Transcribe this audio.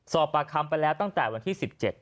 สอบปากคำไปแล้วตั้งแต่วันที่๑๗